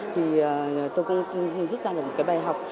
thì tôi cũng dứt ra được một bài học